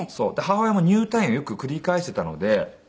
母親も入退院をよく繰り返していたので。